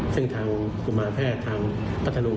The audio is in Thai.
ซึ่งทางกุมารแพทย์ทางพัทธรุง